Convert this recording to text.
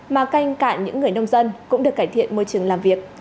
mà canh cạn những người nông dân cũng được cải thiện môi trường làm việc